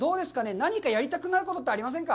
何かやりたくなることってありませんか？